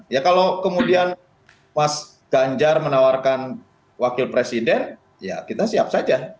ya kalau kemudian mas ganjar menawarkan wakil presiden ya kita siap saja